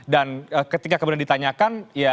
dan ketika kemudian ditanyakan